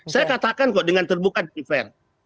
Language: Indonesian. saya katakan kok dengan terbuka di fair